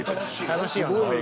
楽しいよな。